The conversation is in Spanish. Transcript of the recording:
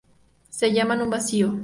Se llama un vacío.